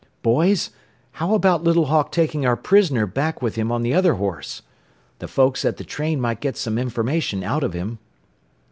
"Boys, how about Little Hawk taking our prisoner back with him on the other horse? The folks at the train might get some information out of him.